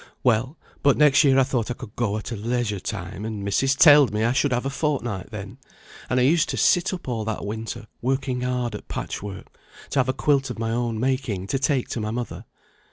Well, but next year I thought I could go at a leisure time, and missis telled me I should have a fortnight then, and I used to sit up all that winter working hard at patchwork, to have a quilt of my own making to take to my mother.